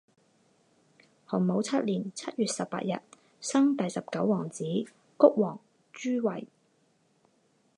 洪武七年七月十八日生第十九皇子谷王朱橞。